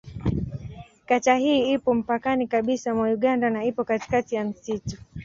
Kata hii ipo mpakani kabisa mwa Uganda na ipo katikati ya msitu.